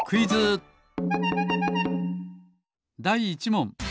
だい１もん。